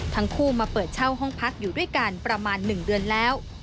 ทั้งคู่มาเปิดเช่าห้องพักอยู่ด้วยกันประมาณ๑เดือนแล้ว